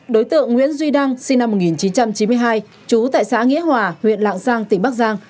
đối tượng nguyễn duy đăng sinh năm một nghìn chín trăm chín mươi hai trú tại xã nghĩa hòa huyện lạng giang tỉnh bắc giang